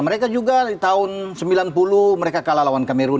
mereka juga di tahun sembilan puluh mereka kalah lawan kameru